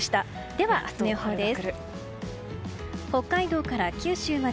では、明日の予報です。